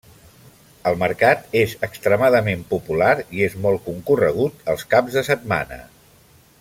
El mercat és extremadament popular i és molt concorregut els caps de setmana.